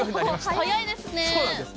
早いですね。